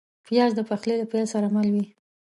پیاز د پخلي له پیل سره مل وي